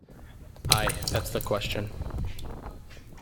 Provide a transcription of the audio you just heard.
Aye, that's the question!